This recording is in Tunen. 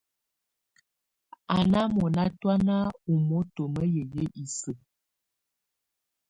Á ná mɔnà tɔ̀ána ù moto ma yayɛ̀á isǝ́.